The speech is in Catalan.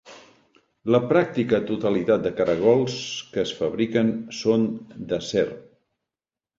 La pràctica totalitat de caragols que es fabriquen són d'acer.